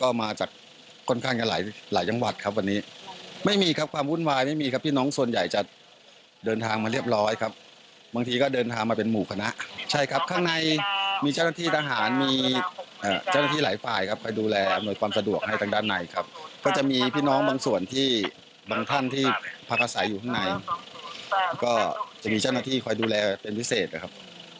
ก็จะมีเจ้าหน้าที่คอยดูแลเป็นพิเศษครับ